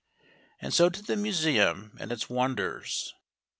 And so to the Museum and its wonders.